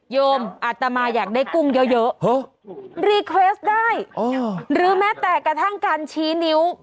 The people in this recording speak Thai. โยมอาตมาอยากได้กุ้งเยอะรีเครสได้หรือแม้แต่กระทั่งการชี้นิ้ว